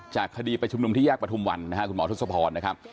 จากคดีไปชมนมที่แยกประทุมวันคุณหมอทศพรนะครับ